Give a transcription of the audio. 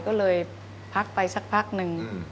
ก็เลยพักไปสักพักหนึ่ง